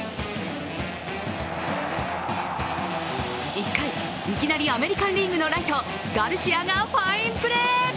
１回、いきなりアメリカン・リーグのライト、ガルシアがファインプレー。